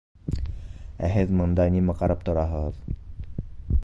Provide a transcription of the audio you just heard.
— Ә һеҙ бында нимә ҡарап тораһығыҙ?